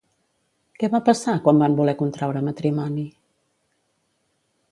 Què va passar quan van voler contraure matrimoni?